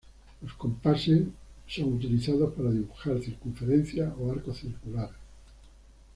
Los compases son utilizados para dibujar circunferencias o arcos circulares.